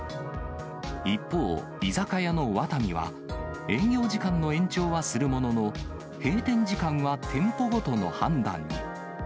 一方、居酒屋のワタミは、営業時間の延長はするものの、閉店時間は店舗ごとの判断に。